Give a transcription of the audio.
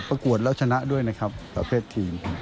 ประกวดแล้วชนะด้วยนะครับประเภททีม